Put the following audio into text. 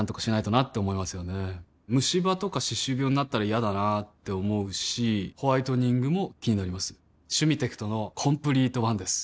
ムシ歯とか歯周病になったら嫌だなって思うしホワイトニングも気になります「シュミテクトのコンプリートワン」です